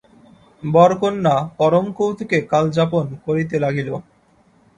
বর কন্যা পরম কৌতুকে কালযাপন করিতে লাগিল।